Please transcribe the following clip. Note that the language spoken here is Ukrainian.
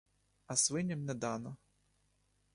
А свиням не дано.